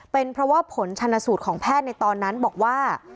เป็นเพราะว่าผลชนสูตรของแพทย์ในตอนนั้นบอกว่า